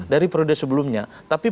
dari perode sebelumnya tapi